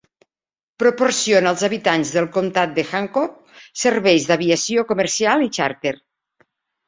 Proporciona als habitants del comtat de Hancock serveis d'aviació comercial i xàrter.